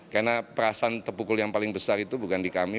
karena perasaan terpukul yang paling besar itu bukan di kami